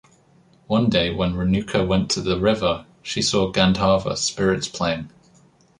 One day when Renuka went to the river, she saw Gandharva spirits playing.